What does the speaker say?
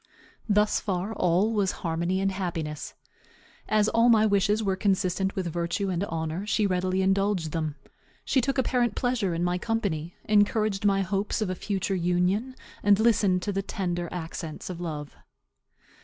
Thus far all was harmony and happiness. As all my wishes were consistent with virtue and honor, she readily indulged them. She took apparent pleasure in my company, encouraged my hopes of a future union, and listened to the tender accents of love.